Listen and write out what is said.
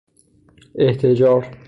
احتجار